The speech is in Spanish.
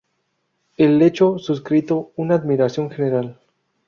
El hecho suscrito una admiración general.